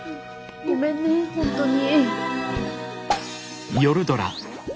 ごめんね本当に。